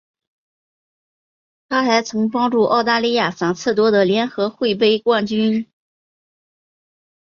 她还曾帮助澳大利亚三次夺得联合会杯冠军。